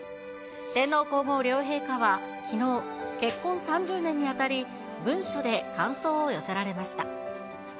天皇皇后両陛下はきのう、結婚３０年にあたり、文書で感想を寄せられました。